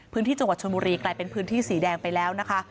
พื้นที่จังหวัดชนบุรีกลายเป็นพื้นที่สีแดงไปแล้วนะคะ